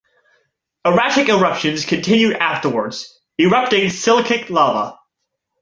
Erratic eruptions continued afterward, erupting silicic lava.